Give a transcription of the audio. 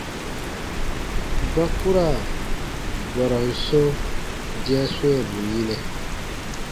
Ba ku ra bɔrɔn sɔ̃ dĩa swɛ̃ɛbu yinɛ.